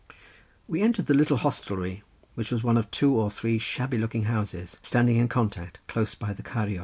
We entered the little hostelry which was one of two or three shabby looking houses, standing in contact, close by the Ceiriog.